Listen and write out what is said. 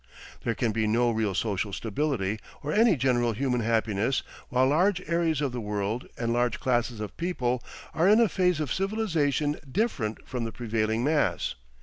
'There can be no real social stability or any general human happiness while large areas of the world and large classes of people are in a phase of civilisation different from the prevailing mass.